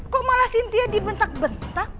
kok malah cynthia dibentak bentak